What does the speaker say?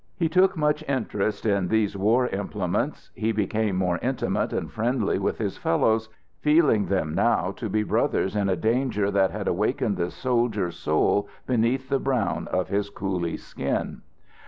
He took much interest in these war implements. He became more intimate and friendly with his fellows, feeling them now to be brothers in a danger that had awakened the soldier soul beneath the brown of his coolie skin.